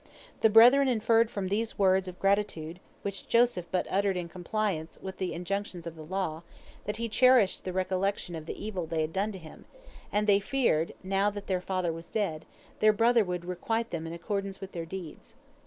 The brethren inferred from these words of gratitude, which Joseph but uttered in compliance with the injunctions of the law, that he cherished the recollection of the evil they had done him, and they feared, that now their father was dead, their brother would requite them in accordance with their deeds.